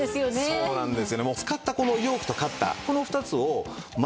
そうなんです。